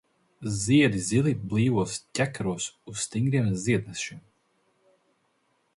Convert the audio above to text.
Ziedi zili, blīvos ķekaros uz stingriem ziednešiem.